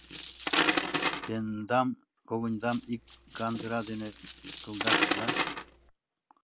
Тендам когыньдам ик кандыра дене кылдаш да...